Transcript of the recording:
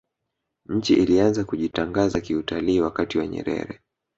nchi ilianza kujitangaza kiutalii wakati wa nyerere